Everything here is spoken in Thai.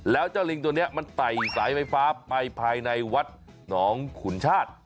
แล้วเจ้าลิงตัวนี้มันไต่สายไฟฟ้าไปภายในวัดหนองขุนชาติ